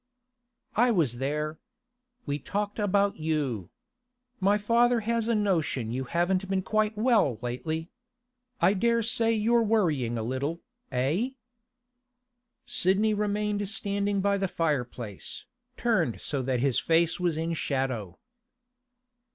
'I was there. We talked about you. My father has a notion you haven't been quite well lately. I dare say you're worrying a little, eh?' Sidney remained standing by the fireplace, turned so that his face was in shadow.